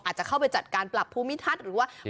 อาจจะเข้าไปจัดการปรับภูมิทัศน์หรือว่า